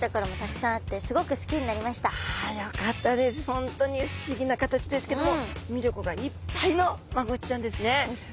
本当に不思議な形ですけども魅力がいっぱいのマゴチちゃんですね。ですね！